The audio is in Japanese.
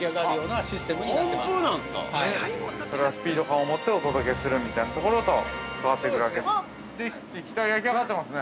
◆それはスピード感をもってお届けするみたいなところと焼き上がってますね。